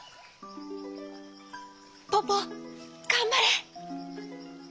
ポポがんばれ！